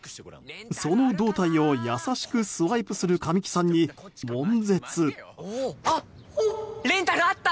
その胴体を優しくスワイプする神木さんに、悶絶。